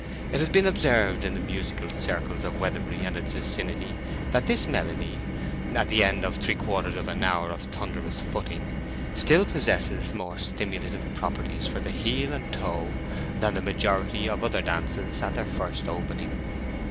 It has been observed in the musical circles of Weatherbury and its vicinity that this melody, at the end of three quarters of an hour of thunderous footing, still possesses more stimulative properties for the heel and toe than the majority of other dances at their first opening.